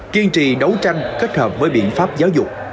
kiên trì đấu tranh kết hợp với biện pháp giáo dục